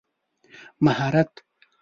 مهارت